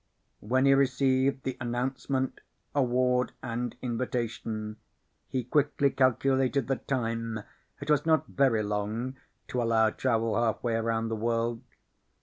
When he received the announcement, award, and invitation, he quickly calculated the time. It was not very long to allow travel halfway around the world.